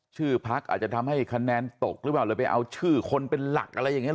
ชื่อพักอาจจะทำให้คะแนนตกหรือเปล่าเลยไปเอาชื่อคนเป็นหลักอะไรอย่างนี้